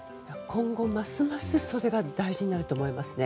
今後、ますますそれが大事になると思いますね。